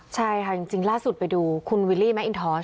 ใช่ค่ะจริงจริงล่าสุดไปดูคุณวิลลี่แมทอินทอร์อุ้ย